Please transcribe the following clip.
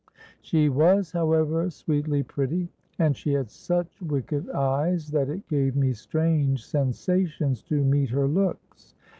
She was however sweetly pretty; and she had such wicked eyes that it gave me strange sensations to meet her looks.